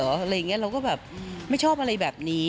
อะไรอย่างนี้เราก็แบบไม่ชอบอะไรแบบนี้